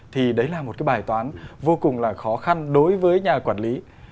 thì đấy là một cái bài toán vô cùng là khó khăn đối với nhà quản lý